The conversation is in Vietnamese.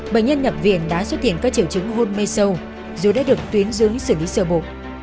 bệnh nhân nhập viện đã xuất hiện các triệu chứng hôn mê sâu dù đã được tuyến dưới xử lý sơ bộ